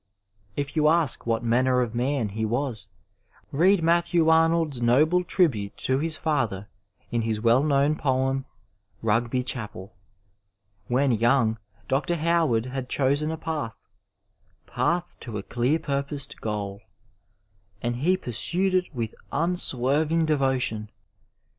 If you ask what manner of man he was, lead Matthew Arnold's noble tribute to his father in his well known poem, Rugby Chapd. When young, Dr. Howard had chosen a path— *' path to a clear purposed goal," and he pursued it with unswerving devotion.